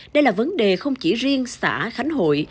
đây là vấn đề không chỉ riêng xã khánh hội